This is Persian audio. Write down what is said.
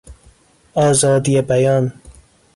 آزادی بیان